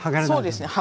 そうですね。